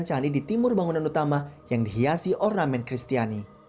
candi di timur bangunan utama yang dihiasi ornamen kristiani